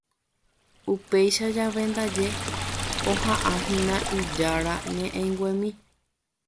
Upéicha jave ndaje oha'ãhína ijára ñe'ẽnguemi